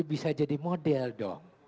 bisa jadi model dong